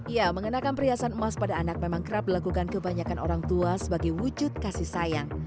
ya mengenakan perhiasan emas pada anak memang kerap dilakukan kebanyakan orang tua sebagai wujud kasih sayang